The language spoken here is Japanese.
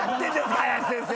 林先生。